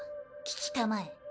聞きたまえ。